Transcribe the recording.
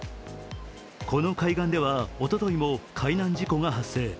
この海岸ではおとといも海難事故が発生。